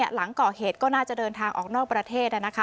หลังก่อเหตุก็น่าจะเดินทางออกนอกประเทศ